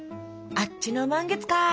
あっちの満月か。